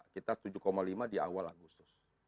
kita tujuh lima di awal agustus